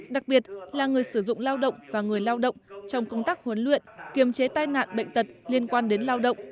đặc biệt là người sử dụng lao động và người lao động trong công tác huấn luyện kiềm chế tai nạn bệnh tật liên quan đến lao động